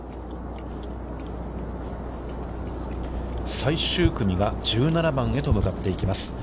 最終組が１７番へと向かっていきます。